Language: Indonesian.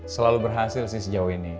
selalu berhasil sih sejauh ini